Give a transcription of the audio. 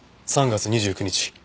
３月２９日